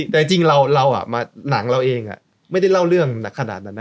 แต่จริงเราหนังเราเองไม่ได้เล่าเรื่องหนักขนาดนั้นนะ